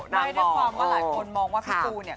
ด้วยความว่าหลายคนมองว่าพี่ปูเนี่ย